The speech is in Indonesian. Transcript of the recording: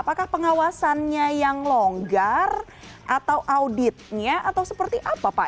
apakah pengawasannya yang longgar atau auditnya atau seperti apa pak